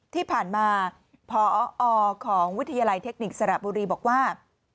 ที่ผ่านมาพอของวิทยาลัยเทคนิคสระบุรีบอกว่า